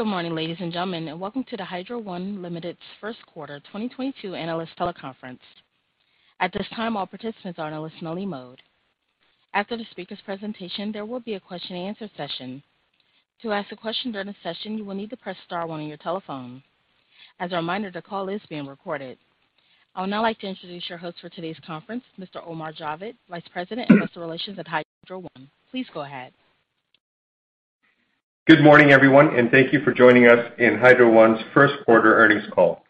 Good morning, ladies and gentlemen, and welcome to the Hydro One Limited's first quarter 2022 analyst teleconference. At this time, all participants are in a listen only mode. After the speaker's presentation, there will be a question and answer session. To ask a question during the session, you will need to press star one on your telephone. As a reminder, the call is being recorded. I would now like to introduce your host for today's conference, Mr. Omar Javed, Vice President, Investor Relations at Hydro One. Please go ahead. Good morning, everyone, and thank you for joining us in Hydro One's first quarter earnings call.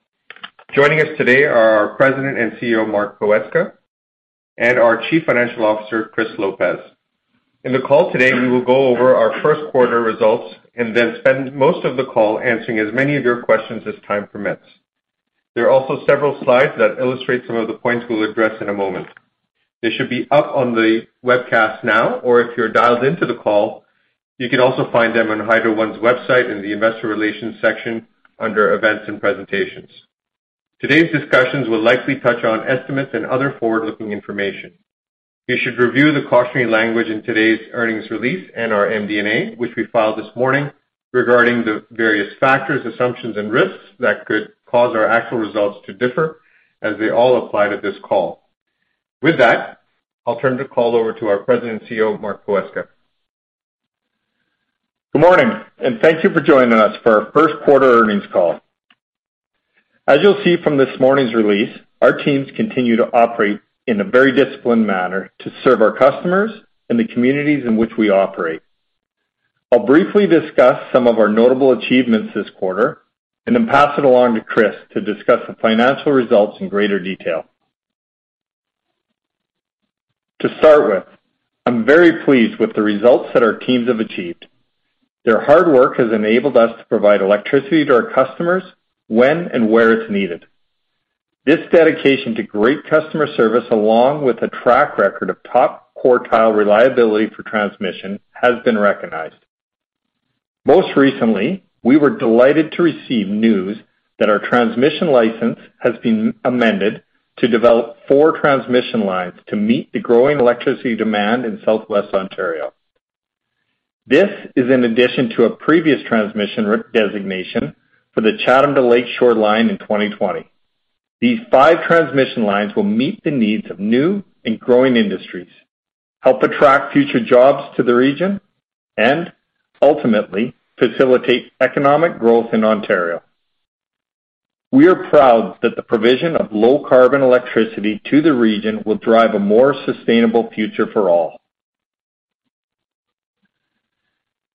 Joining us today are our President and CEO, Mark Poweska, and our Chief Financial Officer, Chris Lopez. In the call today, we will go over our first quarter results and then spend most of the call answering as many of your questions as time permits. There are also several slides that illustrate some of the points we'll address in a moment. They should be up on the webcast now, or if you're dialed into the call, you can also find them on Hydro One's website in the investor relations section under Events and Presentations. Today's discussions will likely touch on estimates and other forward-looking information. You should review the cautionary language in today's earnings release and our MD&A, which we filed this morning, regarding the various factors, assumptions and risks that could cause our actual results to differ as they all apply to this call. With that, I'll turn the call over to our President and CEO, Mark Poweska. Good morning, and thank you for joining us for our first quarter earnings call. As you'll see from this morning's release, our teams continue to operate in a very disciplined manner to serve our customers and the communities in which we operate. I'll briefly discuss some of our notable achievements this quarter and then pass it along to Chris to discuss the financial results in greater detail. To start with, I'm very pleased with the results that our teams have achieved. Their hard work has enabled us to provide electricity to our customers when and where it's needed. This dedication to great customer service, along with a track record of top-quartile reliability for transmission, has been recognized. Most recently, we were delighted to receive news that our transmission license has been amended to develop four transmission lines to meet the growing electricity demand in southwestern Ontario. This is in addition to a previous transmission designation for the Chatham to Lakeshore line in 2020. These five transmission lines will meet the needs of new and growing industries, help attract future jobs to the region, and ultimately facilitate economic growth in Ontario. We are proud that the provision of low-carbon electricity to the region will drive a more sustainable future for all.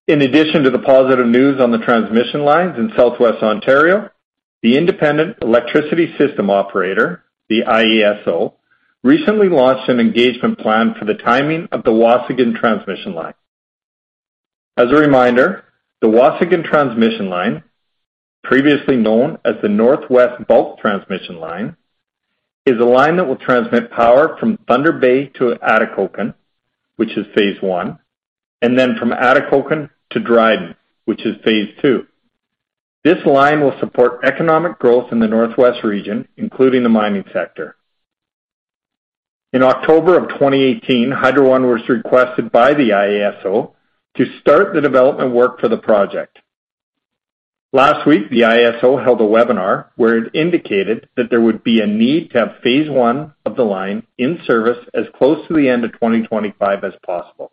In addition to the positive news on the transmission lines in Southwest Ontario, the Independent Electricity System Operator, the IESO, recently launched an engagement plan for the timing of the Waasigan transmission line. As a reminder, the Waasigan transmission line, previously known as the Northwest Bulk Transmission Line, is a line that will transmit power from Thunder Bay to Atikokan, which is phase I, and then from Atikokan to Dryden, which is phase II. This line will support economic growth in the Northwest region, including the mining sector. In October of 2018, Hydro One was requested by the IESO to start the development work for the project. Last week, the IESO held a webinar where it indicated that there would be a need to have phase one of the line in service as close to the end of 2025 as possible.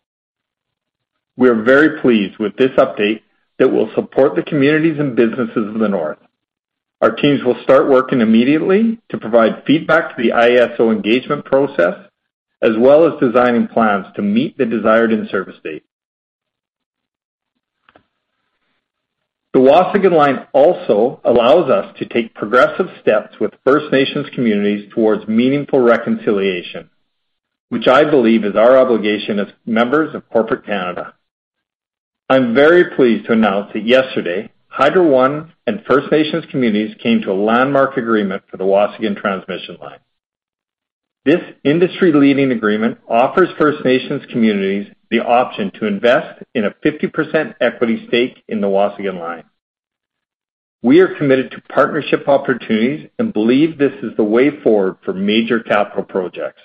We are very pleased with this update that will support the communities and businesses of the North. Our teams will start working immediately to provide feedback to the IESO engagement process, as well as designing plans to meet the desired in-service date. The Waasigan line also allows us to take progressive steps with First Nations communities towards meaningful reconciliation, which I believe is our obligation as members of corporate Canada. I'm very pleased to announce that yesterday, Hydro One and First Nations communities came to a landmark agreement for the Waasigan transmission line. This industry-leading agreement offers First Nations communities the option to invest in a 50% equity stake in the Waasigan line. We are committed to partnership opportunities and believe this is the way forward for major capital projects.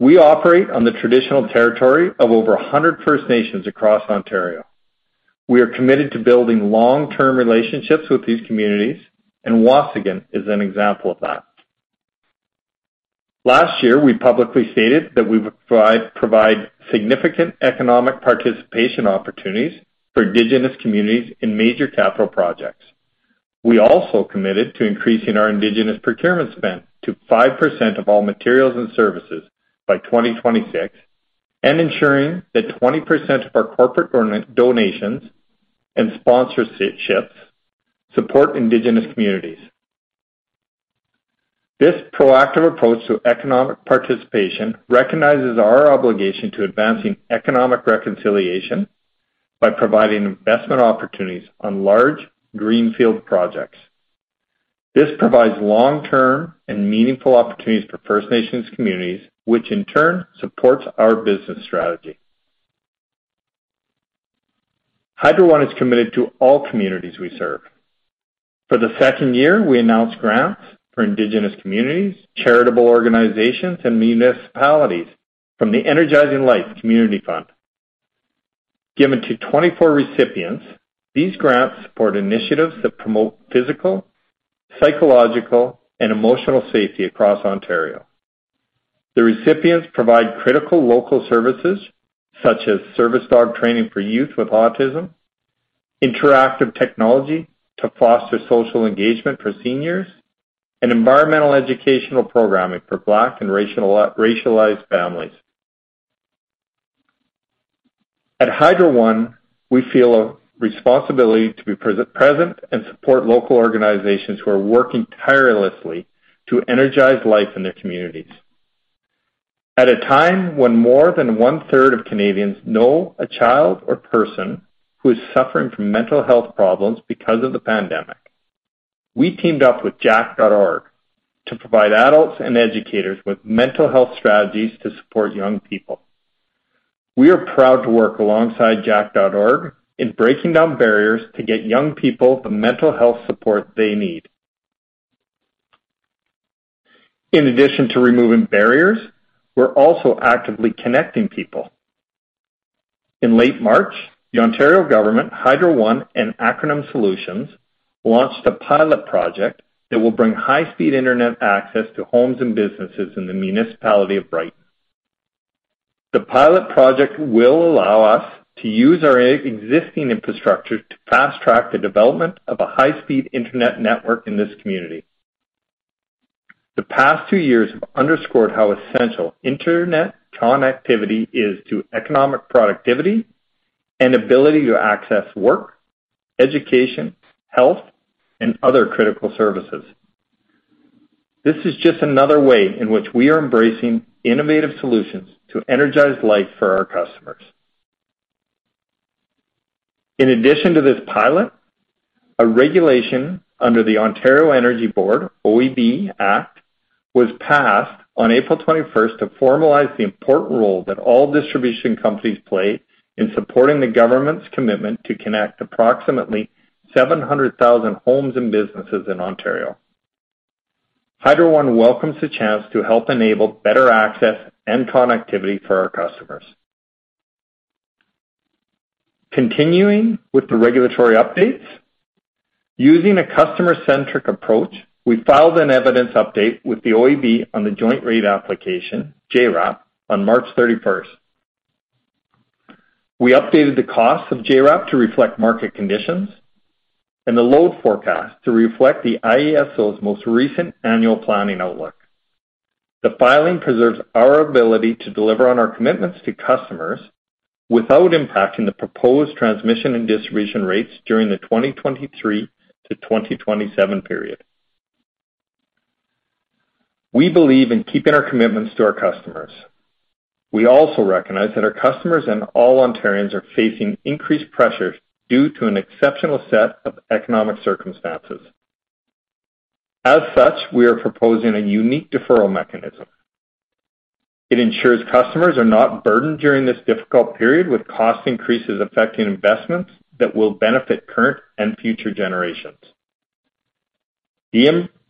We operate on the traditional territory of over 100 First Nations across Ontario. We are committed to building long-term relationships with these communities, and Waasigan is an example of that. Last year, we publicly stated that we would provide significant economic participation opportunities for Indigenous communities in major capital projects. We also committed to increasing our Indigenous procurement spend to 5% of all materials and services by 2026 and ensuring that 20% of our corporate donations and sponsorships support Indigenous communities. This proactive approach to economic participation recognizes our obligation to advancing economic reconciliation by providing investment opportunities on large greenfield projects. This provides long-term and meaningful opportunities for First Nations communities, which in turn supports our business strategy. Hydro One is committed to all communities we serve. For the second year, we announced grants for Indigenous communities, charitable organizations, and municipalities from the Energizing Life Community Fund. Given to 24 recipients, these grants support initiatives that promote physical, psychological, and emotional safety across Ontario. The recipients provide critical local services such as service dog training for youth with autism, interactive technology to foster social engagement for seniors, and environmental educational programming for Black and racialized families. At Hydro One, we feel a responsibility to be present and support local organizations who are working tirelessly to energize life in their communities. At a time when more than one-third of Canadians know a child or person who is suffering from mental health problems because of the pandemic, we teamed up with Jack.org to provide adults and educators with mental health strategies to support young people. We are proud to work alongside Jack.org in breaking down barriers to get young people the mental health support they need. In addition to removing barriers, we're also actively connecting people. In late March, the Ontario government, Hydro One, and Acronym Solutions launched a pilot project that will bring high-speed internet access to homes and businesses in the municipality of Brighton. The pilot project will allow us to use our existing infrastructure to fast-track the development of a high-speed internet network in this community. The past two years have underscored how essential internet connectivity is to economic productivity and ability to access work, education, health, and other critical services. This is just another way in which we are embracing innovative solutions to energize life for our customers. In addition to this pilot, a regulation under the Ontario Energy Board, OEB Act, was passed on April 21 to formalize the important role that all distribution companies play in supporting the government's commitment to connect approximately 700,000 homes and businesses in Ontario. Hydro One welcomes the chance to help enable better access and connectivity for our customers. Continuing with the regulatory updates, using a customer-centric approach, we filed an evidence update with the OEB on the Joint Rate Application, JRAP, on March 31. We updated the cost of JRAP to reflect market conditions and the load forecast to reflect the IESO's most recent annual planning outlook. The filing preserves our ability to deliver on our commitments to customers without impacting the proposed transmission and distribution rates during the 2023 to 2027 period. We believe in keeping our commitments to our customers. We also recognize that our customers and all Ontarians are facing increased pressures due to an exceptional set of economic circumstances. As such, we are proposing a unique deferral mechanism. It ensures customers are not burdened during this difficult period with cost increases affecting investments that will benefit current and future generations. The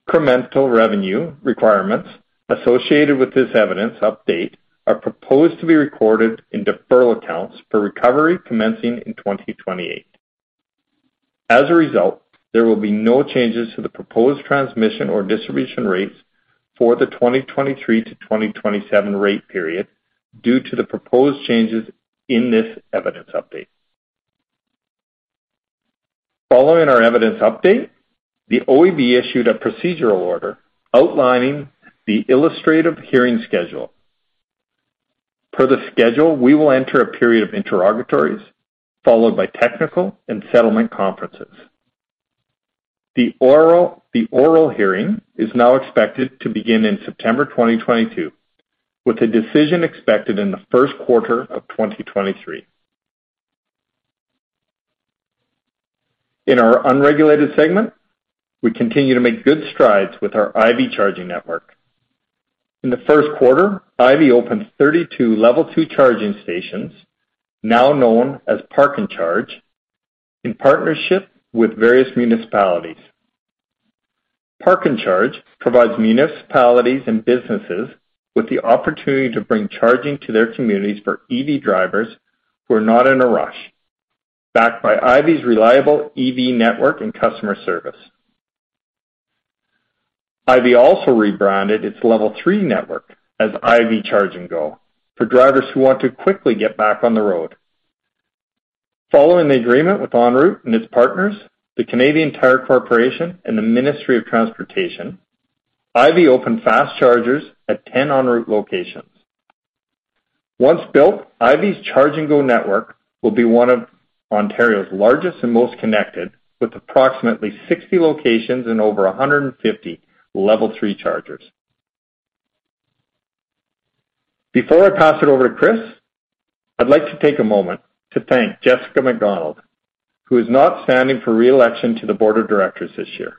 incremental revenue requirements associated with this evidence update are proposed to be recorded in deferral accounts for recovery commencing in 2028. As a result, there will be no changes to the proposed transmission or distribution rates for the 2023-2027 rate period due to the proposed changes in this evidence update. Following our evidence update, the OEB issued a procedural order outlining the illustrative hearing schedule. Per the schedule, we will enter a period of interrogatories, followed by technical and settlement conferences. The oral hearing is now expected to begin in September 2022, with a decision expected in the first quarter of 2023. In our unregulated segment, we continue to make good strides with our Ivy Charging Network. In the first quarter, Ivy opened 32 level 2 charging stations, now known as Park and Charge, in partnership with various municipalities. Park and Charge provides municipalities and businesses with the opportunity to bring charging to their communities for EV drivers who are not in a rush, backed by Ivy's reliable EV network and customer service. Ivy also rebranded its Level 3 network as Ivy Charge & Go for drivers who want to quickly get back on the road. Following the agreement with ONroute and its partners, the Canadian Tire Corporation and the Ministry of Transportation, Ivy opened fast chargers at 10 ONroute locations. Once built, Ivy's Charge & Go network will be one of Ontario's largest and most connected, with approximately 60 locations and over 150 Level 3 chargers. Before I pass it over to Chris, I'd like to take a moment to thank Jessica McDonald, who is not standing for re-election to the board of directors this year.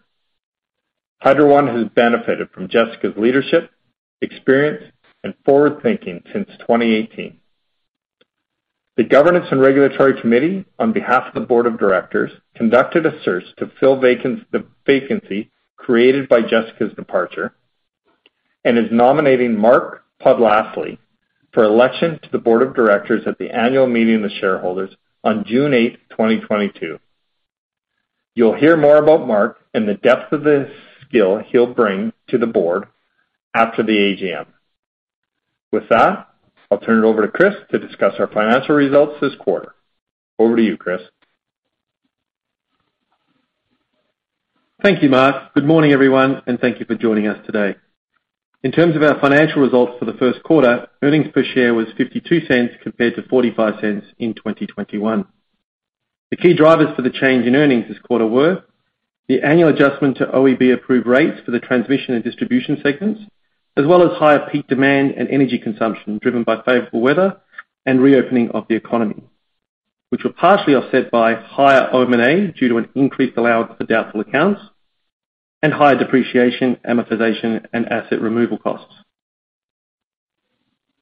Hydro One has benefited from Jessica's leadership, experience, and forward-thinking since 2018. The Governance and Regulatory Committee, on behalf of the Board of Directors, conducted a search to fill the vacancy created by Jessica's departure and is nominating Mark Podlasly for election to the board of directors at the annual meeting of the shareholders on June 8, 2022. You'll hear more about Mark and the depth of the skill he'll bring to the board after the AGM. With that, I'll turn it over to Chris to discuss our financial results this quarter. Over to you, Chris. Thank you, Mark. Good morning, everyone, and thank you for joining us today. In terms of our financial results for the first quarter, earnings per share was 0.52 compared to 0.45 in 2021. The key drivers for the change in earnings this quarter were the annual adjustment to OEB approved rates for the transmission and distribution segments, as well as higher peak demand and energy consumption driven by favorable weather and reopening of the economy, which were partially offset by higher OM&A due to an increased allowance for doubtful accounts and higher depreciation, amortization, and asset removal costs.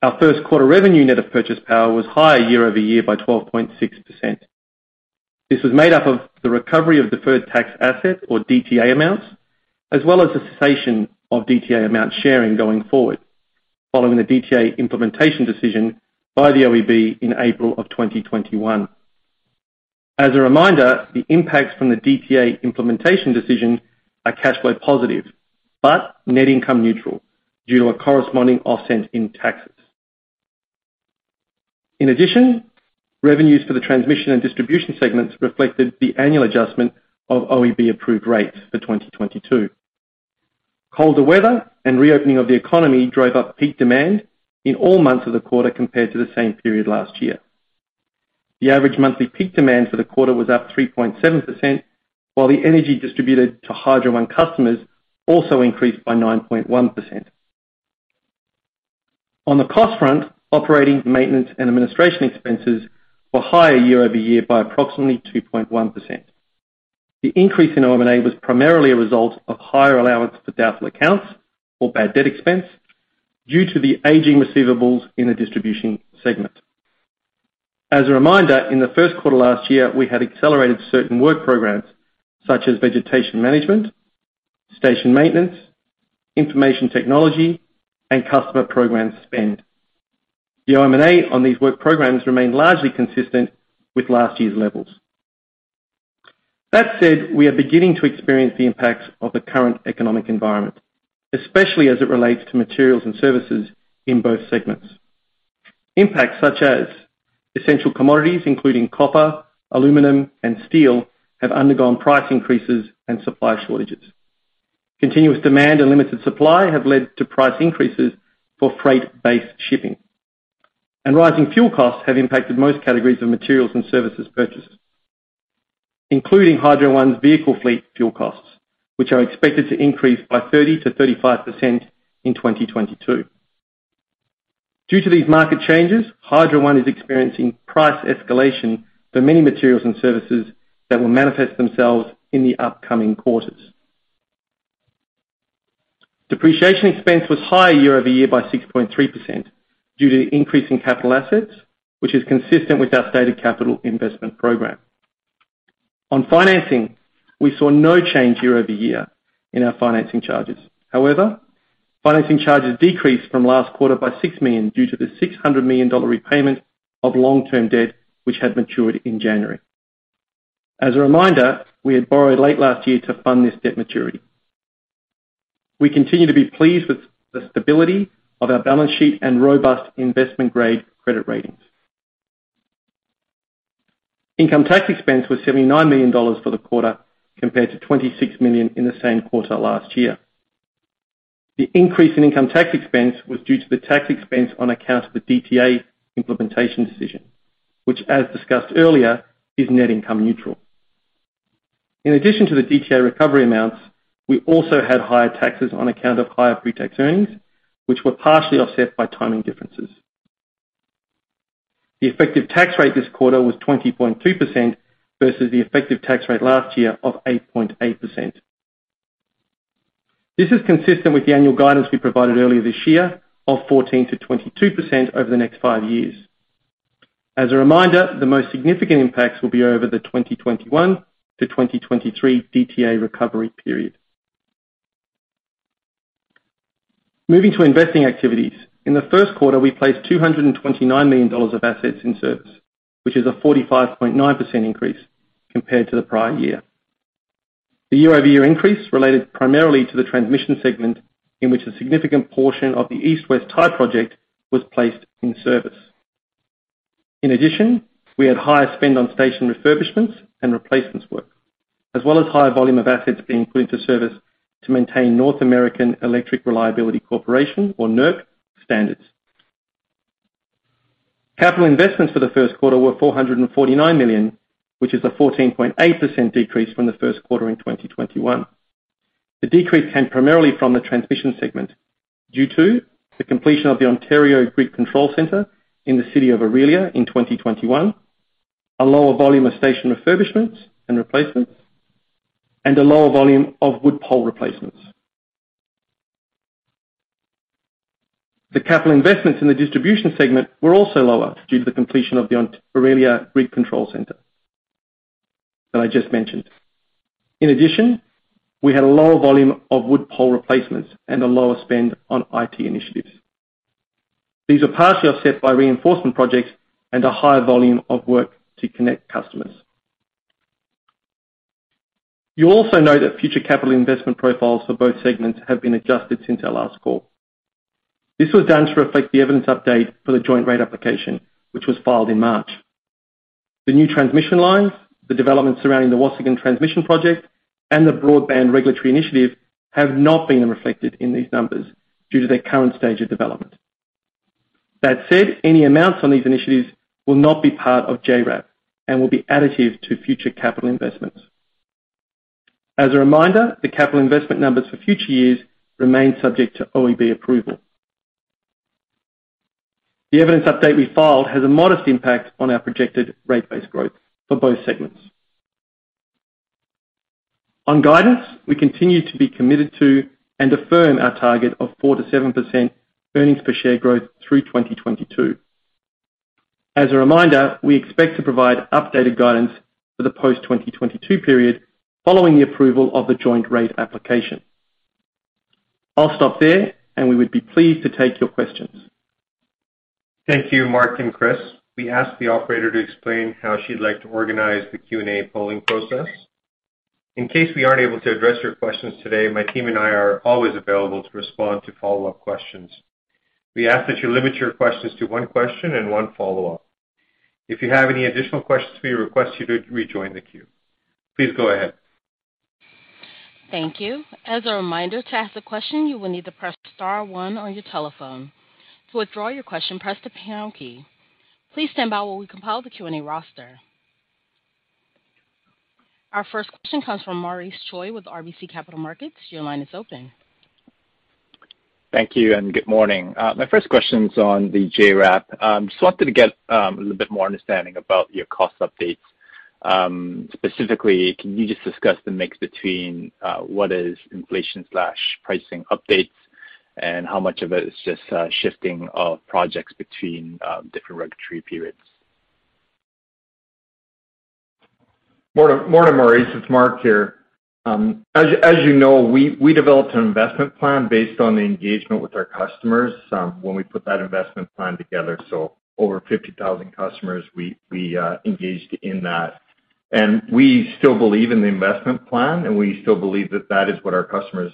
Our first quarter revenue net of purchase power was higher year-over-year by 12.6%. This was made up of the recovery of deferred tax assets, or DTA amounts, as well as the cessation of DTA amount sharing going forward, following the DTA implementation decision by the OEB in April of 2021. As a reminder, the impacts from the DTA implementation decision are cash flow positive, but net income neutral due to a corresponding offset in taxes. In addition, revenues for the transmission and distribution segments reflected the annual adjustment of OEB approved rates for 2022. Colder weather and reopening of the economy drove up peak demand in all months of the quarter compared to the same period last year. The average monthly peak demand for the quarter was up 3.7%, while the energy distributed to Hydro One customers also increased by 9.1%. On the cost front, operations, maintenance, and administration expenses were higher year-over-year by approximately 2.1%. The increase in OM&A was primarily a result of higher allowance for doubtful accounts or bad debt expense due to the aging receivables in the distribution segment. As a reminder, in the first quarter last year, we had accelerated certain work programs such as vegetation management, station maintenance, information technology, and customer program spend. The OM&A on these work programs remained largely consistent with last year's levels. That said, we are beginning to experience the impacts of the current economic environment, especially as it relates to materials and services in both segments. Impacts such as essential commodities, including copper, aluminum, and steel, have undergone price increases and supply shortages. Continuous demand and limited supply have led to price increases for freight-based shipping. Rising fuel costs have impacted most categories of materials and services purchases, including Hydro One's vehicle fleet fuel costs, which are expected to increase by 30%-35% in 2022. Due to these market changes, Hydro One is experiencing price escalation for many materials and services that will manifest themselves in the upcoming quarters. Depreciation expense was higher year-over-year by 6.3% due to the increase in capital assets, which is consistent with our stated capital investment program. On financing, we saw no change year-over-year in our financing charges. However, financing charges decreased from last quarter by 6 million due to the 600 million dollar repayment of long-term debt, which had matured in January. As a reminder, we had borrowed late last year to fund this debt maturity. We continue to be pleased with the stability of our balance sheet and robust investment-grade credit ratings. Income tax expense was 79 million dollars for the quarter, compared to 26 million in the same quarter last year. The increase in income tax expense was due to the tax expense on account of the DTA implementation decision, which, as discussed earlier, is net income neutral. In addition to the DTA recovery amounts, we also had higher taxes on account of higher pre-tax earnings, which were partially offset by timing differences. The effective tax rate this quarter was 20.2% versus the effective tax rate last year of 8.8%. This is consistent with the annual guidance we provided earlier this year of 14%-22% over the next five years. As a reminder, the most significant impacts will be over the 2021-2023 DTA recovery period. Moving to investing activities. In the first quarter, we placed 229 million dollars of assets in service, which is a 45.9% increase compared to the prior year. The year-over-year increase related primarily to the transmission segment in which a significant portion of the East-West Tie Project was placed in service. In addition, we had higher spend on station refurbishments and replacements work, as well as higher volume of assets being put into service to maintain North American Electric Reliability Corporation, or NERC, standards. Capital investments for the first quarter were 449 million, which is a 14.8% decrease from the first quarter in 2021. The decrease came primarily from the transmission segment due to the completion of the Ontario Grid Control Center in the city of Orillia in 2021, a lower volume of station refurbishments and replacements, and a lower volume of wood pole replacements. The capital investments in the distribution segment were also lower due to the completion of the Orillia grid control center that I just mentioned. In addition, we had a lower volume of wood pole replacements and a lower spend on IT initiatives. These are partially offset by reinforcement projects and a higher volume of work to connect customers. You'll also note that future capital investment profiles for both segments have been adjusted since our last call. This was done to reflect the evidence update for the Joint Rate Application, which was filed in March. The new transmission lines, the developments surrounding the Waasigan transmission project, and the broadband regulatory initiative have not been reflected in these numbers due to their current stage of development. That said, any amounts on these initiatives will not be part of JRAP and will be additive to future capital investments. As a reminder, the capital investment numbers for future years remain subject to OEB approval. The evidence update we filed has a modest impact on our projected rate-based growth for both segments. On guidance, we continue to be committed to and affirm our target of 4%-7% earnings per share growth through 2022. As a reminder, we expect to provide updated guidance for the post-2022 period following the approval of the Joint Rate Application. I'll stop there, and we would be pleased to take your questions. Thank you, Mark and Chris. We ask the operator to explain how she'd like to organize the Q&A polling process. In case we aren't able to address your questions today, my team and I are always available to respond to follow-up questions. We ask that you limit your questions to one question and one follow-up. If you have any additional questions, we request you to rejoin the queue. Please go ahead. Thank you. As a reminder, to ask a question, you will need to press star one on your telephone. To withdraw your question, press the pound key. Please stand by while we compile the Q&A roster. Our first question comes from Maurice Choy with RBC Capital Markets. Your line is open. Thank you, and good morning. My first question's on the JRAP. Just wanted to get a little bit more understanding about your cost updates. Specifically, can you just discuss the mix between what is inflation slash pricing updates, and how much of it is just shifting of projects between different regulatory periods? Morning, Maurice. It's Mark here. As you know, we developed an investment plan based on the engagement with our customers when we put that investment plan together. Over 50,000 customers, we engaged in that. We still believe in the investment plan, and we still believe that is what our customers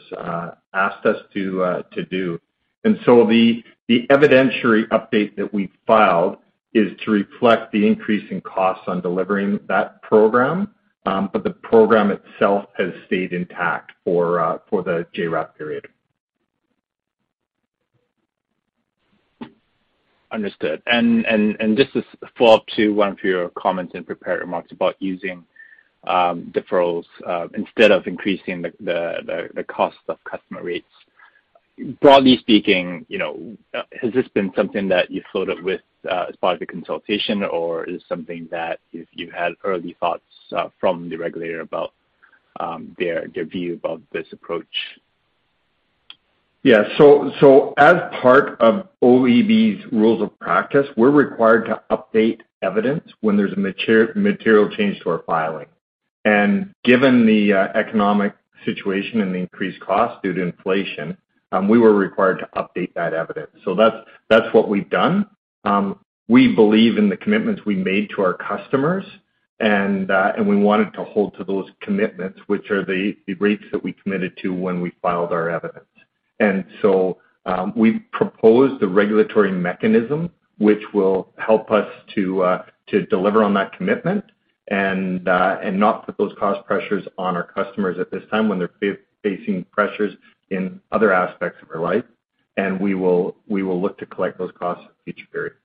asked us to do. The evidentiary update that we filed is to reflect the increase in costs on delivering that program, but the program itself has stayed intact for the JRAP period. Understood. Just to follow up to one of your comments in prepared remarks about using deferrals instead of increasing the cost of customer rates. Broadly speaking, has this been something that you floated with as part of the consultation, or is it something that if you had early thoughts from the regulator about their view about this approach? Yeah. As part of OEB's rules of practice, we're required to update evidence when there's a material change to our filing. Given the economic situation and the increased cost due to inflation, we were required to update that evidence. That's what we've done. We believe in the commitments we made to our customers, and we wanted to hold to those commitments, which are the rates that we committed to when we filed our evidence. We proposed a regulatory mechanism which will help us to deliver on that commitment and not put those cost pressures on our customers at this time when they're facing pressures in other aspects of their life. We will look to collect those costs in future periods.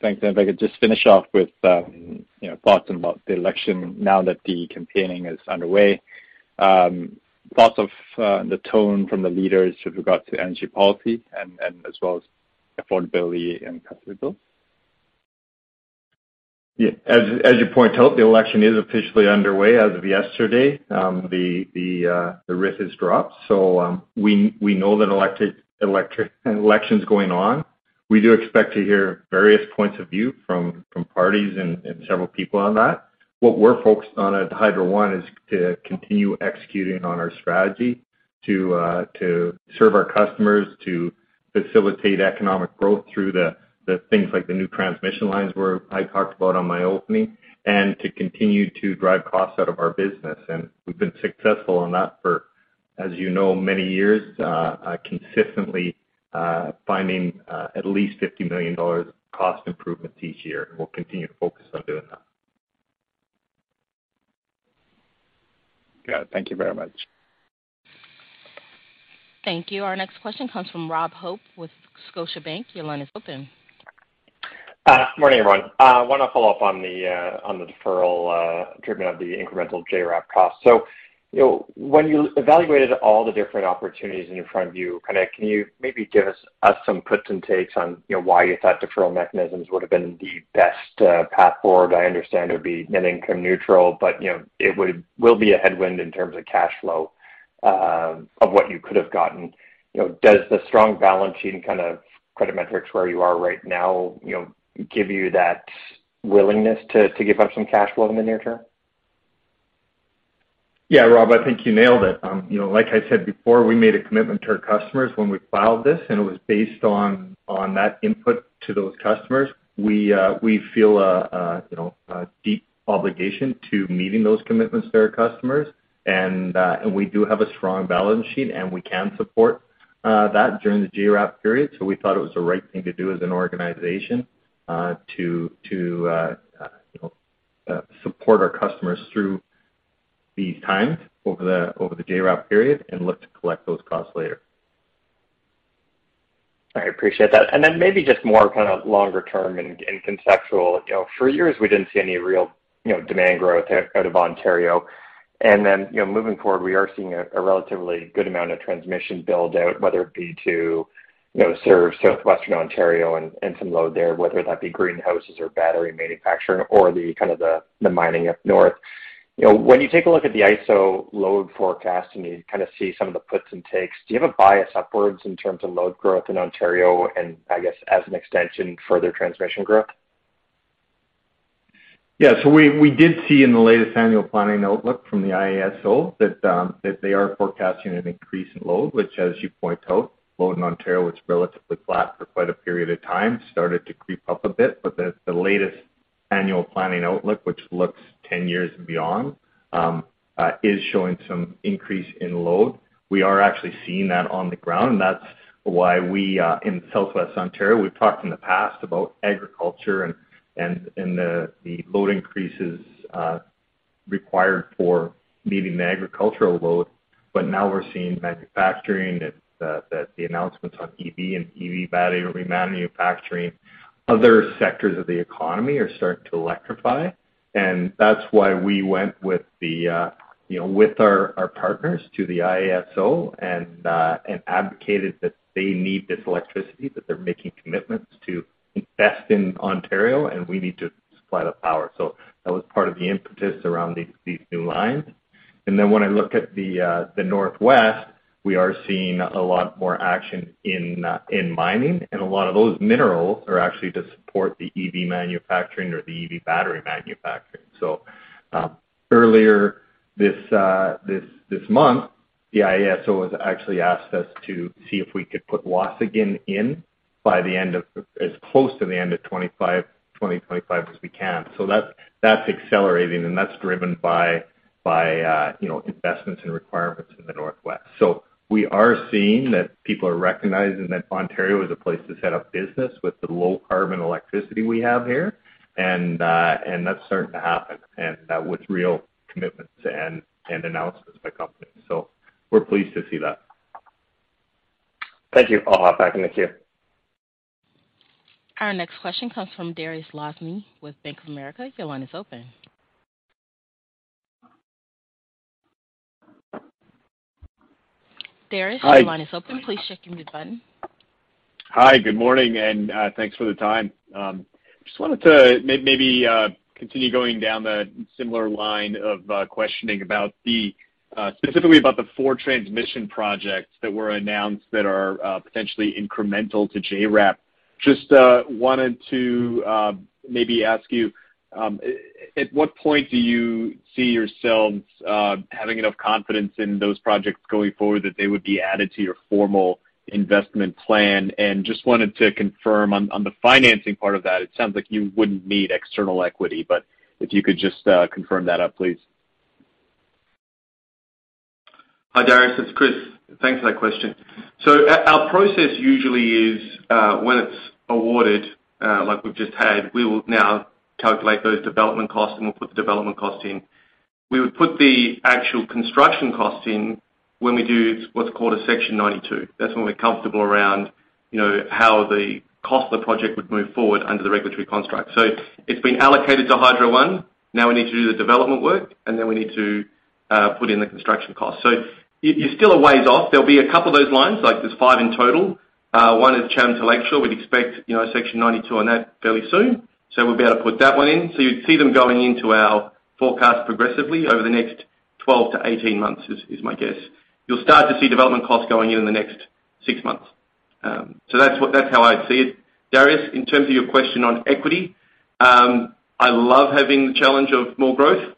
Thanks. If I could just finish off with, you know, thoughts about the election now that the campaigning is underway. Thoughts of the tone from the leaders with regard to energy policy and as well as affordability and customer bills? Yeah, as you point out, the election is officially underway as of yesterday. The writ has dropped. We know that election's going on. We do expect to hear various points of view from parties and several people on that. What we're focused on at Hydro One is to continue executing on our strategy to serve our customers, to facilitate economic growth through the things like the new transmission lines where I talked about on my opening, and to continue to drive costs out of our business. We've been successful on that for, as you know, many years, consistently finding at least 50 million dollars cost improvements each year. We'll continue to focus on doing that. Yeah. Thank you very much. Thank you. Our next question comes from Rob Hope with Scotiabank. Your line is open. Morning, everyone. Want to follow up on the deferral treatment of the incremental JRAP cost. You know, when you evaluated all the different opportunities in front of you, kind of can you maybe give us some puts and takes on, you know, why you thought deferral mechanisms would have been the best path forward? I understand it would be net income neutral, but, you know, it will be a headwind in terms of cash flow of what you could have gotten. You know, does the strong balance sheet and kind of credit metrics where you are right now, you know, give you that willingness to give up some cash flow in the near term? Yeah, Rob, I think you nailed it. You know, like I said before, we made a commitment to our customers when we filed this, and it was based on that input to those customers. We feel you know, a deep obligation to meeting those commitments to our customers. We do have a strong balance sheet, and we can support that during the JRAP period. We thought it was the right thing to do as an organization to support our customers through these times over the JRAP period and look to collect those costs later. I appreciate that. Maybe just more kind of longer term and conceptual. You know, for years we didn't see any real, you know, demand growth out of Ontario. You know, moving forward, we are seeing a relatively good amount of transmission build-out, whether it be to, you know, serve southwestern Ontario and some load there, whether that be greenhouses or battery manufacturing or the kind of the mining up north. You know, when you take a look at the IESO load forecast and you kind of see some of the puts and takes, do you have a bias upwards in terms of load growth in Ontario and I guess as an extension, further transmission growth? Yeah. We did see in the latest annual planning outlook from the IESO that they are forecasting an increase in load, which as you point out, load in Ontario was relatively flat for quite a period of time, started to creep up a bit. The latest annual planning outlook, which looks 10 years and beyond, is showing some increase in load. We are actually seeing that on the ground, and that's why we in southwest Ontario, we've talked in the past about agriculture and the load increases required for meeting the agricultural load. Now we're seeing manufacturing that the announcements on EV and EV battery manufacturing. Other sectors of the economy are starting to electrify. That's why we went with, you know, our partners to the IESO and advocated that they need this electricity, that they're making commitments to invest in Ontario, and we need to supply the power. That was part of the impetus around these new lines. Then when I look at the Northwest, we are seeing a lot more action in mining, and a lot of those minerals are actually to support the EV manufacturing or the EV battery manufacturing. Earlier this month, the IESO has actually asked us to see if we could put Waasigan in as close to the end of 2025 as we can. That's accelerating and that's driven by, you know, investments and requirements in the Northwest. We are seeing that people are recognizing that Ontario is a place to set up business with the low carbon electricity we have here. That's starting to happen and with real commitments and announcements by companies. We're pleased to see that. Thank you. I'll hop back in the queue. Our next question comes from Dariusz Lozny with Bank of America. Your line is open. Darius- Hi. Your line is open. Please check your mute button. Hi. Good morning, and, thanks for the time. Just wanted to maybe continue going down the similar line of questioning, specifically about the four transmission projects that were announced that are potentially incremental to JRAP. Just wanted to maybe ask you at what point do you see yourselves having enough confidence in those projects going forward that they would be added to your formal investment plan? Just wanted to confirm on the financing part of that, it sounds like you wouldn't need external equity. If you could just confirm that up, please. Hi, Dariusz, it's Chris. Thanks for that question. Our process usually is, when it's awarded, like we've just had, we will now calculate those development costs, and we'll put the development costs in. We would put the actual construction costs in when we do what's called a Section 92. That's when we're comfortable around, you know, how the cost of the project would move forward under the regulatory construct. It's been allocated to Hydro One. Now we need to do the development work, and then we need to put in the construction cost. You, you're still a ways off. There'll be a couple of those lines, like there's five in total. One is Chatham to Lakeshore. We'd expect, you know, Section 92 on that fairly soon. We'll be able to put that one in. You'd see them going into our forecast progressively over the next 12-18 months is my guess. You'll start to see development costs going in in the next six months. That's how I'd see it. Dariusz, in terms of your question on equity, I love having the challenge of more growth.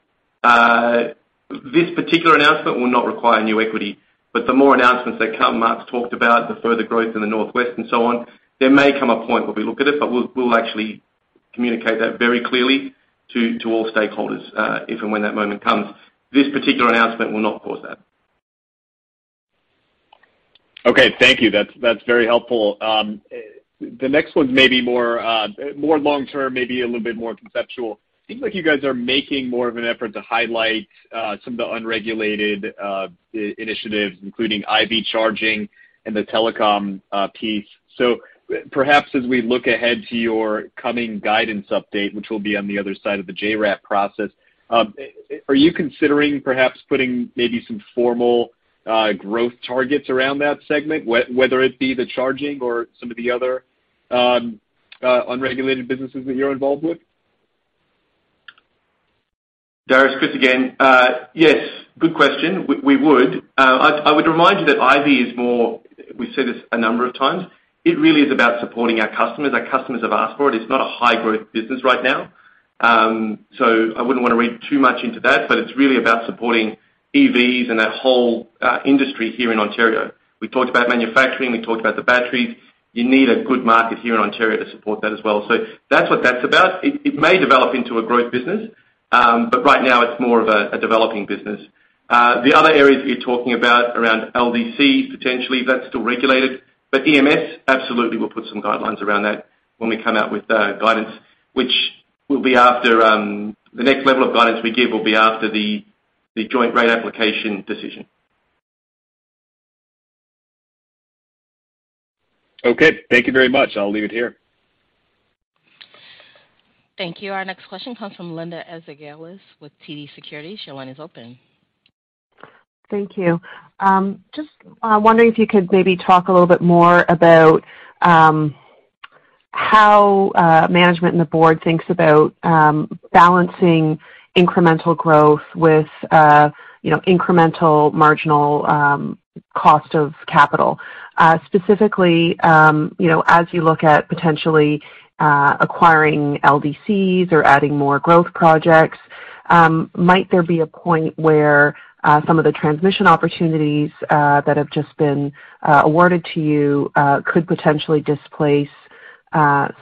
This particular announcement will not require new equity. The more announcements that come, Mark's talked about the further growth in the Northwest and so on, there may come a point where we look at it, but we'll actually communicate that very clearly to all stakeholders, if and when that moment comes. This particular announcement will not cause that. Okay. Thank you. That's very helpful. The next one's maybe more long term, maybe a little bit more conceptual. Seems like you guys are making more of an effort to highlight some of the unregulated initiatives, including Ivy charging and the telecom piece. Perhaps as we look ahead to your coming guidance update, which will be on the other side of the JRAP process, are you considering perhaps putting maybe some formal growth targets around that segment, whether it be the charging or some of the other unregulated businesses that you're involved with? Dariusz, Chris again. Yes, good question. We would. I would remind you that Ivy is more. We've said this a number of times, it really is about supporting our customers. Our customers have asked for it. It's not a high-growth business right now. I wouldn't wanna read too much into that, but it's really about supporting EVs and that whole industry here in Ontario. We talked about manufacturing, we talked about the batteries. You need a good market here in Ontario to support that as well. That's what that's about. It may develop into a growth business, but right now it's more of a developing business. The other areas that you're talking about around LDC, potentially that's still regulated, but EMS absolutely will put some guidelines around that when we come out with guidance, which will be after the next level of guidance we give will be after the Joint Rate Application decision. Okay, thank you very much. I'll leave it here. Thank you. Our next question comes from Linda Ezergailis with TD Securities. Your line is open. Thank you. Just wondering if you could maybe talk a little bit more about how management and the board thinks about balancing incremental growth with, you know, incremental marginal cost of capital. Specifically, you know, as you look at potentially acquiring LDCs or adding more growth projects, might there be a point where some of the transmission opportunities that have just been awarded to you could potentially displace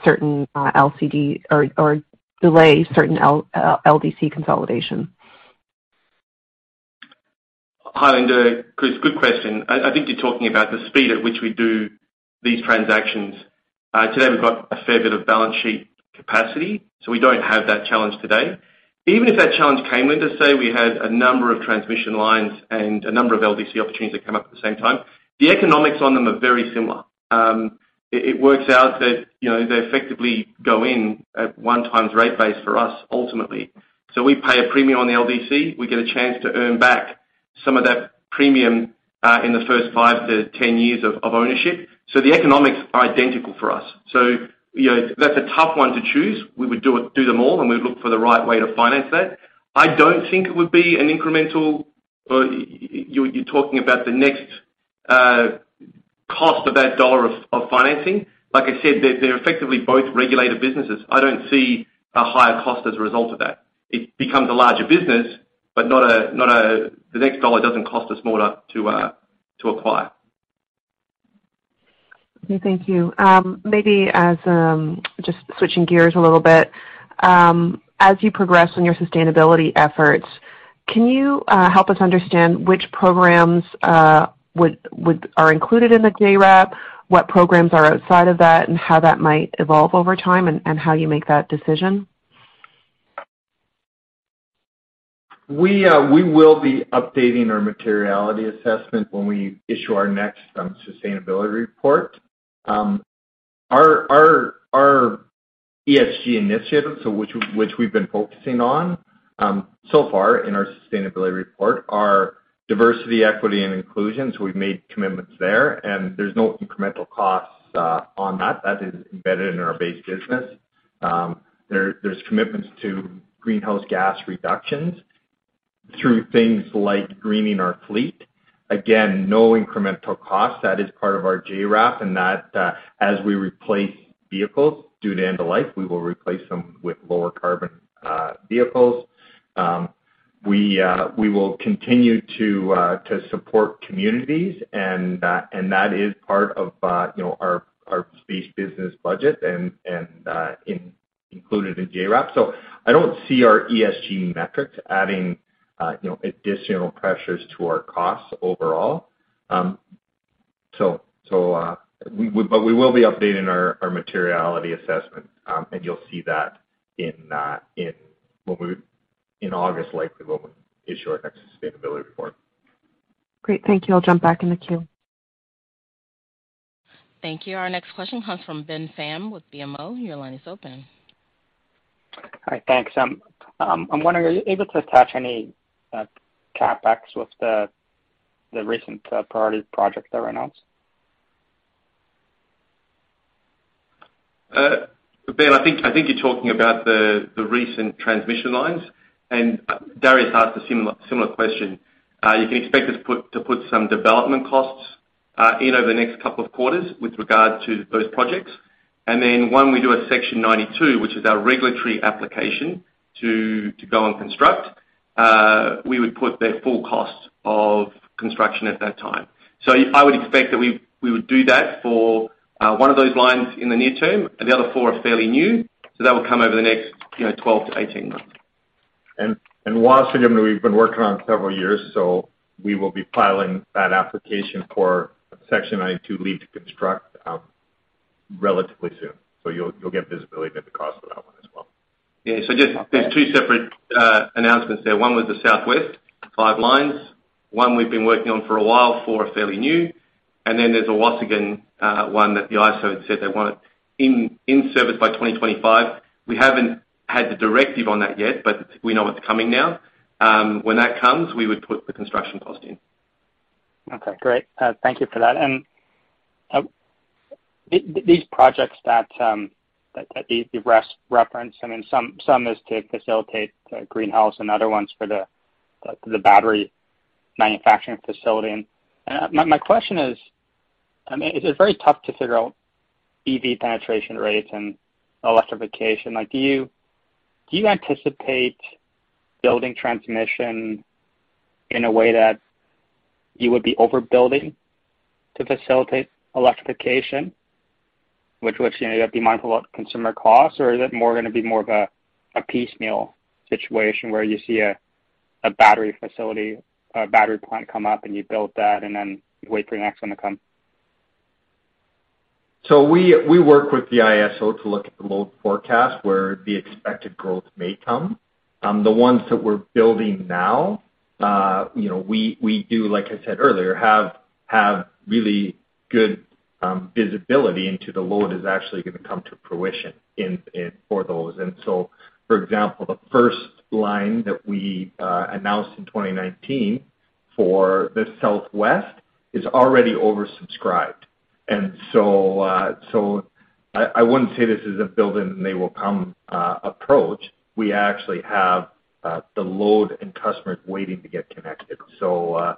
certain LDC or delay certain LDC consolidation? Hi, Linda. Chris, good question. I think you're talking about the speed at which we do these transactions. Today we've got a fair bit of balance sheet capacity, so we don't have that challenge today. Even if that challenge came in, let's say we had a number of transmission lines and a number of LDC opportunities that come up at the same time, the economics on them are very similar. It works out that, you know, they effectively go in at 1 times rate base for us ultimately. We pay a premium on the LDC. We get a chance to earn back some of that premium in the first 5-10 years of ownership. The economics are identical for us. You know, that's a tough one to choose. We would do them all, and we'd look for the right way to finance that. I don't think it would be an incremental. You're talking about the next cost of that dollar of financing. Like I said, they're effectively both regulated businesses. I don't see a higher cost as a result of that. It becomes a larger business, but not a. The next dollar doesn't cost us more to acquire. Okay, thank you. Maybe as just switching gears a little bit, as you progress on your sustainability efforts, can you help us understand which programs are included in the JRAP, what programs are outside of that, and how that might evolve over time and how you make that decision? We will be updating our materiality assessment when we issue our next sustainability report. Our ESG initiatives, which we've been focusing on so far in our sustainability report, are diversity, equity, and inclusion. We've made commitments there, and there's no incremental costs on that. That is embedded in our base business. There's commitments to greenhouse gas reductions through things like greening our fleet. Again, no incremental cost. That is part of our JRAP and that as we replace vehicles due to end of life, we will replace them with lower carbon vehicles. We will continue to support communities and that is part of you know, our space business budget and included in JRAP. I don't see our ESG metrics adding, you know, additional pressures to our costs overall. We will be updating our materiality assessment, and you'll see that in August, likely, when we issue our next sustainability report. Great. Thank you. I'll jump back in the queue. Thank you. Our next question comes from Ben Pham with BMO. Your line is open. Hi. Thanks. I'm wondering, are you able to attach any CapEx with the recent priority projects that were announced? Ben, I think you're talking about the recent transmission lines, and Dariusz asked a similar question. You can expect us to put some development costs in over the next couple of quarters with regard to those projects. Then when we do a Section 92, which is our regulatory application to go and construct, we would put their full cost of construction at that time. I would expect that we would do that for one of those lines in the near term, and the other four are fairly new, so that will come over the next, you know, 12-18 months. Waasigan, we've been working on it for several years, so we will be filing that application for Section 92 leave to construct relatively soon. You'll get visibility of the cost of that one as well. Yeah. Okay. There's two separate announcements there. One was the southwest, five lines. One we've been working on for a while, four are fairly new. There's a Waasigan one that the IESO had said they want it in service by 2025. We haven't had the directive on that yet, but we know it's coming now. When that comes, we would put the construction cost in. Okay, great. Thank you for that. These projects that you reference, I mean, some is to facilitate the greenhouse and other ones for the battery manufacturing facility. My question is, I mean, is it very tough to figure out EV penetration rates and electrification? Like, do you anticipate building transmission in a way that you would be overbuilding to facilitate electrification? Which, you know, you have to be mindful of consumer costs, or is it gonna be more of a piecemeal situation where you see a battery facility or a battery plant come up and you build that, and then you wait for the next one to come? We work with the IESO to look at the load forecast where the expected growth may come. The ones that we're building now, you know, we do, like I said earlier, have really good visibility into the load is actually gonna come to fruition in, for those. For example, the first line that we announced in 2019 for the Southwest is already oversubscribed. I wouldn't say this is a build and they will come approach. We actually have the load and customers waiting to get connected. You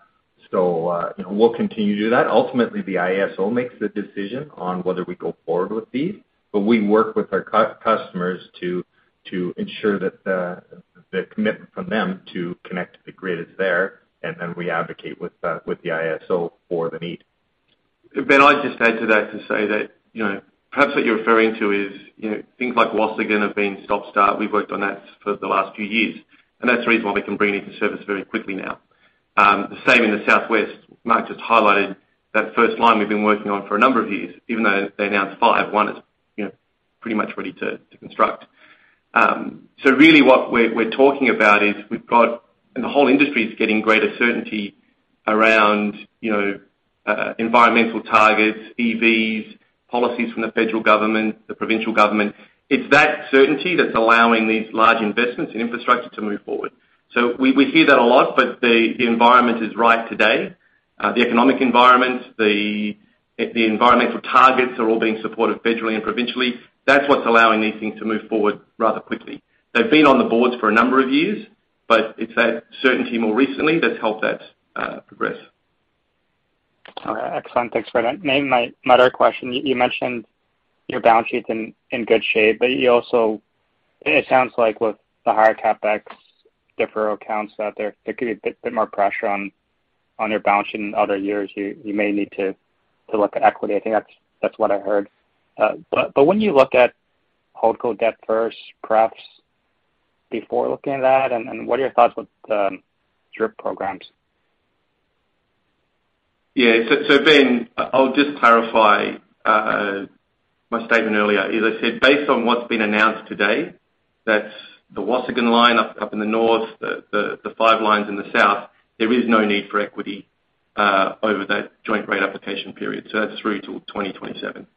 know, we'll continue to do that. Ultimately, the IESO makes the decision on whether we go forward with these, but we work with our customers to ensure that the commitment from them to connect to the grid is there, and then we advocate with the IESO for the need. Ben, I'd just add to that to say that, you know, perhaps what you're referring to is, you know, things like Waasigan have been stop-start. We've worked on that for the last few years, and that's the reason why we can bring it into service very quickly now. The same in the Southwest. Mark just highlighted that first line we've been working on for a number of years. Even though they announced five, one is, you know, pretty much ready to construct. Really what we're talking about is we've got. The whole industry is getting greater certainty around, you know, environmental targets, EVs, policies from the federal government, the provincial government. It's that certainty that's allowing these large investments in infrastructure to move forward. We hear that a lot, but the environment is right today. The economic environment, the environmental targets are all being supported federally and provincially. That's what's allowing these things to move forward rather quickly. They've been on the boards for a number of years, but it's that certainty more recently that's helped that progress. Okay, excellent. Thanks for that. Maybe my other question. You mentioned your balance sheet's in good shape, but you also, it sounds like with the higher CapEx deferral accounts out there could be a bit more pressure on your balance sheet in other years. You may need to look at equity. I think that's what I heard. When you look at Holdco debt first, perhaps before looking at that, and what are your thoughts with DRIP programs? Yeah. Ben, I'll just clarify my statement earlier. As I said, based on what's been announced today, that's the Waasigan line up in the North, the five lines in the South, there is no need for equity over that Joint Rate Application period. That's through till 2027.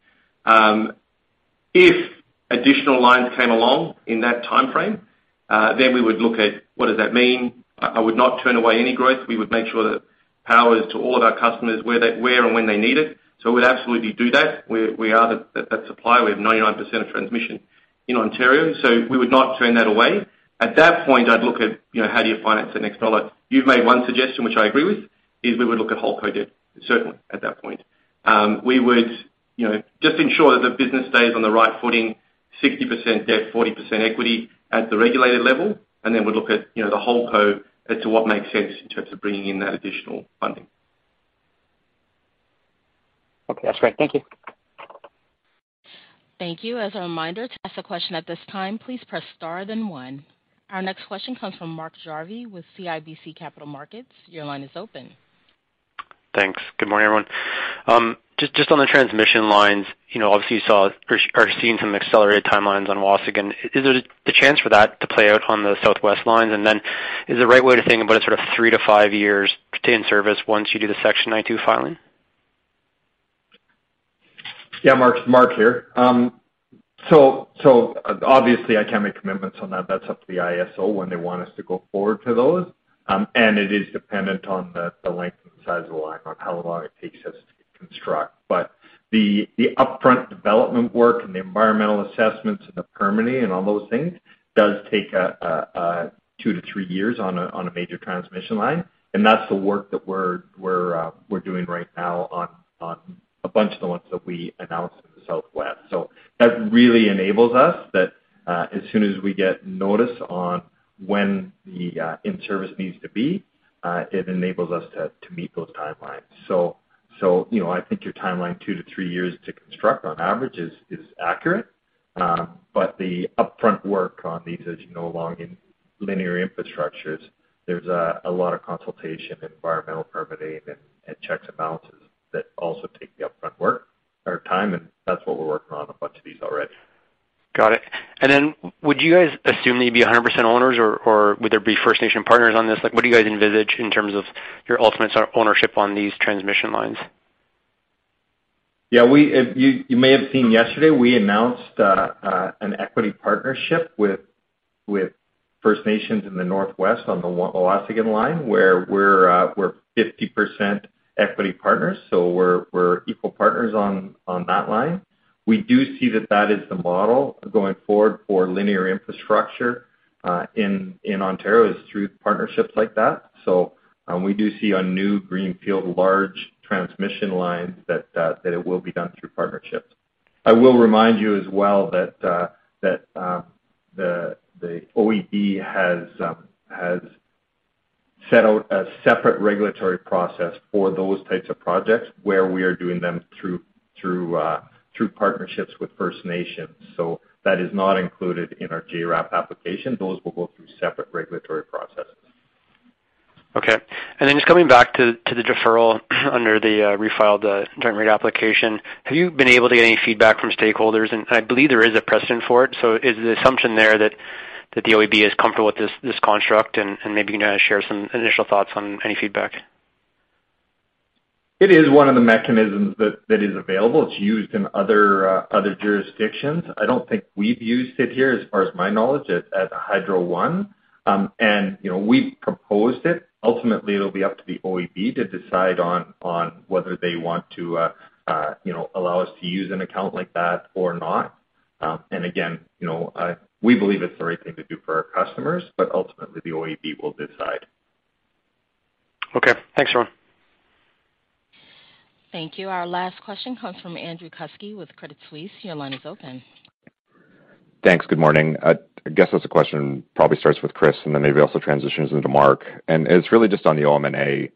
If additional lines came along in that timeframe, then we would look at what does that mean. I would not turn away any growth. We would make sure that power is to all of our customers where and when they need it. We'd absolutely do that. We are that supplier. We have 99% of transmission in Ontario, so we would not turn that away. At that point, I'd look at, you know, how do you finance the next dollar? You've made one suggestion, which I agree with, is we would look at holdco debt, certainly at that point. We would, you know, just ensure that the business stays on the right footing, 60% debt, 40% equity at the regulated level, and then we'd look at, you know, the Holdco as to what makes sense in terms of bringing in that additional funding. Okay. That's great. Thank you. Thank you. As a reminder, to ask a question at this time, please press star, then one. Our next question comes from Mark Jarvi with CIBC Capital Markets. Your line is open. Thanks. Good morning, everyone. Just on the transmission lines, you know, obviously you saw or are seeing some accelerated timelines on Waasigan. Is there the chance for that to play out on the Southwest lines? Is the right way to think about a sort of three to five years to in service once you do the Section 92 filing? Yeah, Mark. Mark here. Obviously I can't make commitments on that. That's up to the IESO when they want us to go forward to those. It is dependent on the length and size of the line, on how long it takes us to construct. The upfront development work and the environmental assessments and the permitting and all those things does take two to three years on a major transmission line. That's the work that we're doing right now on a bunch of the ones that we announced in the Southwest. That really enables us, as soon as we get notice on when the in-service needs to be, to meet those timelines. You know, I think your timeline, 2-3 years to construct on average is accurate. The upfront work on these, as you know, long and linear infrastructures, there's a lot of consultation, environmental permitting and checks and balances that also take the upfront work or time, and that's what we're working on a bunch of these already. Got it. Would you guys assume that you'd be 100% owners or would there be First Nation partners on this? Like, what do you guys envisage in terms of your ultimate ownership on these transmission lines? Yeah, you may have seen yesterday, we announced an equity partnership with First Nations in the Northwest on the Waasigan line where we're 50% equity partners. We're equal partners on that line. We do see that is the model going forward for linear infrastructure in Ontario through partnerships like that. We do see on new greenfield large transmission lines that it will be done through partnerships. I will remind you as well that the OEB has set out a separate regulatory process for those types of projects where we are doing them through partnerships with First Nations. That is not included in our JRAP application. Those will go through separate regulatory processes. Okay. Just coming back to the deferral under the refiled Joint Rate Application, have you been able to get any feedback from stakeholders? I believe there is a precedent for it. Is the assumption there that the OEB is comfortable with this construct? Maybe, you know, share some initial thoughts on any feedback. It is one of the mechanisms that is available. It's used in other jurisdictions. I don't think we've used it here as far as my knowledge at Hydro One. You know, we've proposed it. Ultimately, it'll be up to the OEB to decide on whether they want to, you know, allow us to use an account like that or not. Again, you know, we believe it's the right thing to do for our customers, but ultimately the OEB will decide. Okay. Thanks, Mark. Thank you. Our last question comes from Andrew Kuske with Credit Suisse. Your line is open. Thanks. Good morning. I guess it's a question, probably starts with Chris, and then maybe also transitions into Mark. It's really just on the OM&A.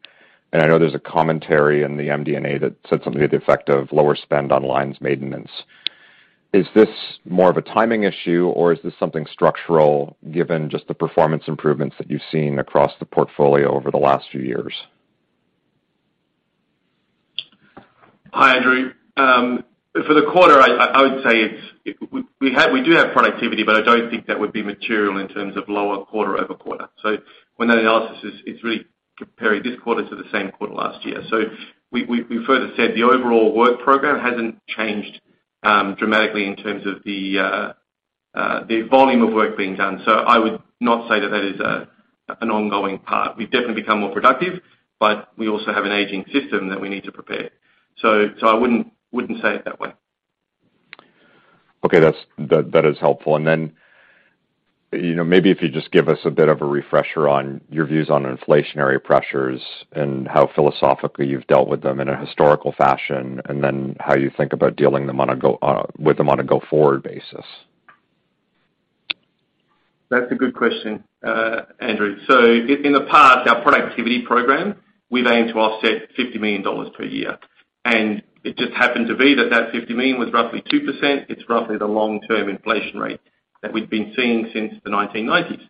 I know there's a commentary in the MD&A that said something to the effect of lower spend on lines maintenance. Is this more of a timing issue, or is this something structural given just the performance improvements that you've seen across the portfolio over the last few years? Hi, Andrew. For the quarter, I would say it's we have productivity, but I don't think that would be material in terms of lower quarter-over-quarter. When that analysis is really comparing this quarter to the same quarter last year. We further said the overall work program hasn't changed dramatically in terms of the volume of work being done. I would not say that is an ongoing part. We've definitely become more productive, but we also have an aging system that we need to prepare. I wouldn't say it that way. That is helpful. You know, maybe if you just give us a bit of a refresher on your views on inflationary pressures and how philosophically you've dealt with them in a historical fashion, and then how you think about dealing with them on a go-forward basis. That's a good question, Andrew. In the past, our productivity program, we've aimed to offset 50 million dollars per year. It just happened to be that fifty million was roughly 2%. It's roughly the long-term inflation rate that we've been seeing since the 1990s.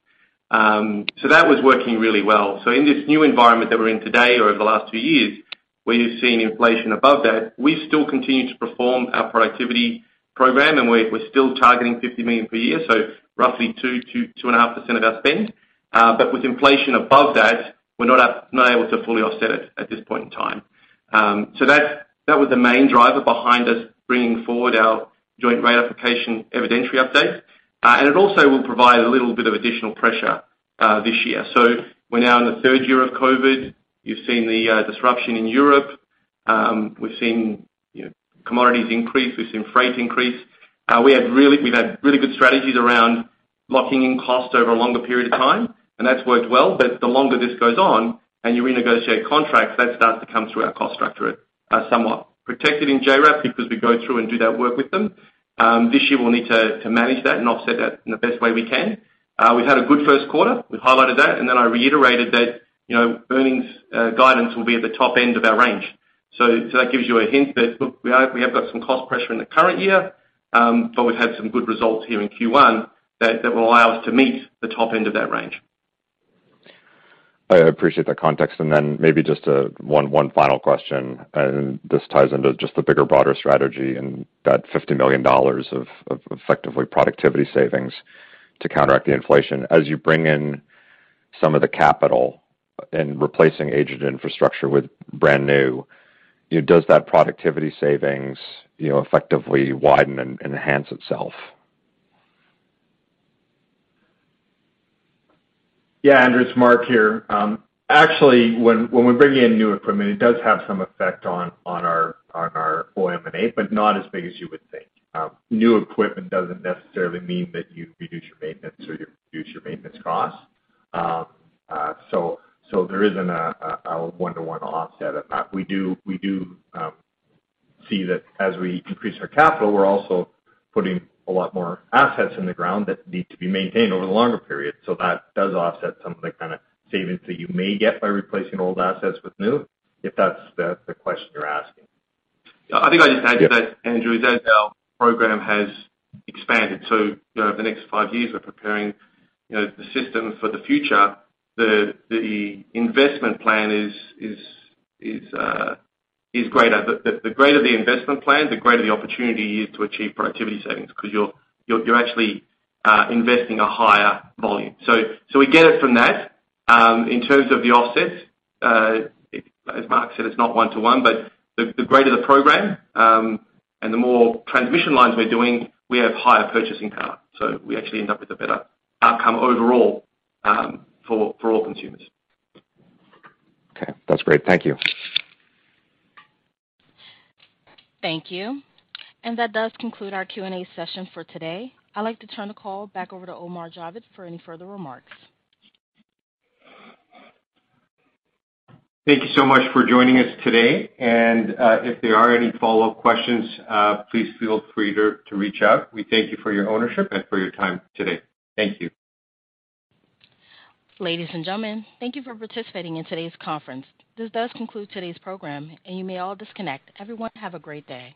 That was working really well. In this new environment that we're in today or over the last two years, we've seen inflation above that. We still continue to perform our productivity program, and we're still targeting 50 million per year, so roughly 2%-2.5% of our spend. With inflation above that, we're not able to fully offset it at this point in time. That was the main driver behind us bringing forward our Joint Rate Application evidentiary update. It also will provide a little bit of additional pressure this year. We're now in the third year of COVID. You've seen the disruption in Europe. We've seen, you know, commodities increase. We've seen freight increase. We've had really good strategies around locking in cost over a longer period of time, and that's worked well. The longer this goes on and you renegotiate contracts, that starts to come through our cost structure as somewhat protected in JRAP because we go through and do that work with them. This year we'll need to manage that and offset that in the best way we can. We've had a good first quarter. We've highlighted that. I reiterated that, you know, earnings guidance will be at the top end of our range. That gives you a hint that, look, we have got some cost pressure in the current year, but we've had some good results here in Q1 that will allow us to meet the top end of that range. I appreciate that context. Then maybe just one final question, and this ties into just the bigger, broader strategy and that 50 million dollars of effectively productivity savings to counteract the inflation. As you bring in some of the capital and replacing aged infrastructure with brand new, does that productivity savings effectively widen and enhance itself? Yeah, Andrew, it's Mark here. Actually, when we bring in new equipment, it does have some effect on our OM&A, but not as big as you would think. New equipment doesn't necessarily mean that you reduce your maintenance or you reduce your maintenance costs. There isn't a one-to-one offset of that. We do see that as we increase our capital, we're also putting a lot more assets in the ground that need to be maintained over the longer period. That does offset some of the kinda savings that you may get by replacing old assets with new, if that's the question you're asking. I think I'd just add to that, Andrew, is that our program has expanded. You know, over the next five years, we're preparing, you know, the system for the future. The greater the investment plan, the greater the opportunity is to achieve productivity savings because you're actually investing a higher volume. We get it from that. In terms of the offsets, as Mark said, it's not one-to-one, but the greater the program and the more transmission lines we're doing, we have higher purchasing power. We actually end up with a better outcome overall for all consumers. Okay, that's great. Thank you. Thank you. That does conclude our Q&A session for today. I'd like to turn the call back over to Omar Javed for any further remarks. Thank you so much for joining us today. If there are any follow-up questions, please feel free to reach out. We thank you for your ownership and for your time today. Thank you. Ladies and gentlemen, thank you for participating in today's conference. This does conclude today's program, and you may all disconnect. Everyone, have a great day.